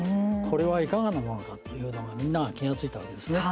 これはいかがなものかというのがみんなが気が付いたわけですね。